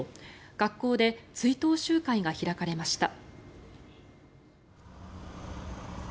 学校で追悼集会が開かれました。